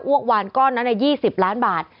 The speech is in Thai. กวานก้อนนั้น๒๐ล้านบาท